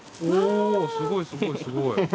おすごいすごい。